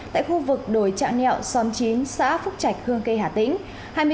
tại khu vực đồi trạng nẹo xóm chín xã phúc trạch hương cây hả tĩnh